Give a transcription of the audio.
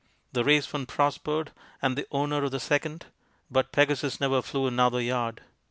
The race fund prospered and the owner of the second, but Pegasus never flew another yard.